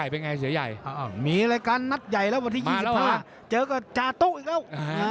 เป็นไงเสือใหญ่มีรายการนัดใหญ่แล้ววันที่๒๕เจอกับจาตุ๊อีกแล้ว